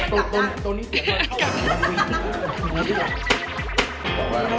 เราก็ต้องจำมุขตามไว้ด้วยใช่ไหมคะ